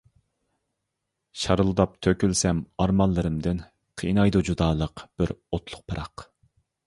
شارىلداپ تۆكۈلسەم ئارمانلىرىمدىن، قىينايدۇ جۇدالىق بىر ئوتلۇق پىراق.